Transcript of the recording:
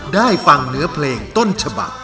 ได้ฟังเนื้อเพลงต้นฉบัก